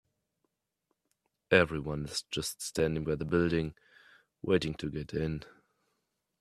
Everyone is just standing by the building, waiting to get in.